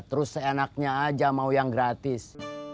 terus seenaknya aja mau yang gratis